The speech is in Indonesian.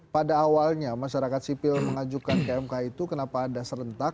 pada awalnya masyarakat sipil mengajukan ke mk itu kenapa ada serentak